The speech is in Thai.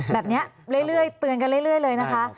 แบบนี้เรื่อยเตือนกันเรื่อยเลยนะคะ